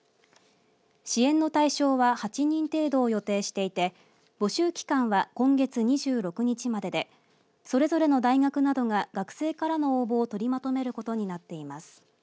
支援の対象は８人程度を予定していて募集期間は今月２６日まででそれぞれの大学などが学生からの応募を取りまとめることになっています。